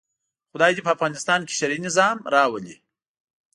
خدای دې په افغانستان کې شرعي نظام راولي.